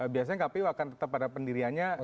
biasanya kpu akan tetap ada pendiriannya